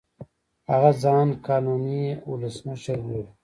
هغه ځان قانوني اولسمشر بولي.